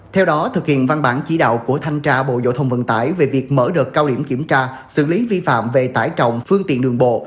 theo đó thực hiện văn bản chỉ đạo của thanh tra bộ giao thông vận tải về việc mở đợt cao điểm kiểm tra xử lý vi phạm về tải trọng phương tiện đường bộ